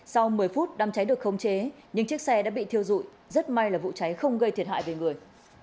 sau một mươi phút đám cháy được khống chế nhưng chiếc xe đã bị thiêu dụi rất may là vụ cháy không gây thiệt hại về người